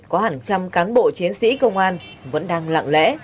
có hàng trăm cán bộ chiến sĩ công an vẫn đang lặng lẽ